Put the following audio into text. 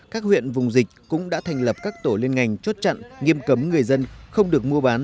các huyện vùng dịch cũng đã thành lập các tổ liên ngành chốt chặn nghiêm cấm người dân không được mua bán